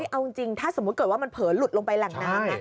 เอาจริงถ้าสมมุติเกิดว่ามันเผลอหลุดลงไปแหล่งน้ำนะ